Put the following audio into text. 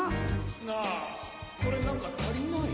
なあこれなんかたりない？